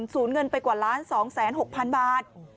สูญเงินไปกว่าล้าน๒๖๐๐๐๐๐บาท